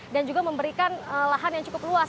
dan juga memberikan lahan yang cukup luas